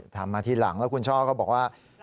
ทำมาทีหลังแล้วคุณช่อก็บอกว่า